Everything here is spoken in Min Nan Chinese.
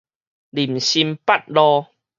林森北路